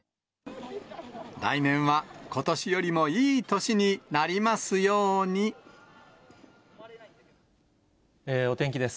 来年はことしよりもいい年にお天気です。